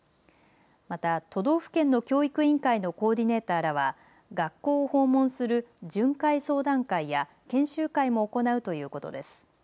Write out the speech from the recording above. また、都道府県の教育委員会のコーディネーターらは学校を訪問する巡回相談会や研修会も行うということです。